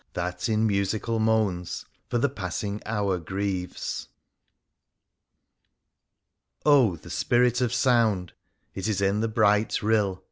That, in musical moans. For the passing hour grieves. Oh ! the Sinrit of Sound ! It is in the bright rill.